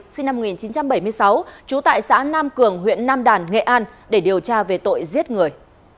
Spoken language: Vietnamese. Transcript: sinh năm một nghìn chín trăm bảy mươi sáu trú tại xã nam cường huyện nam đàn nghệ an để điều tra về tội giết người